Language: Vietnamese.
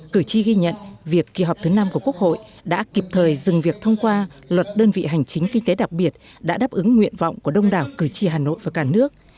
cử tri ghi nhận việc kỳ họp thứ năm của quốc hội đã kịp thời dừng việc thông qua luật đơn vị hành chính kinh tế đặc biệt đã đáp ứng nguyện vọng của đông đảo cử tri hà nội và cả nước